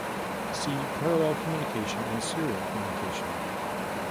See Parallel communication and Serial communication.